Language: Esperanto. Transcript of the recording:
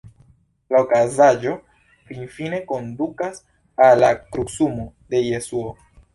La okazaĵo finfine kondukas al la krucumo de Jesuo.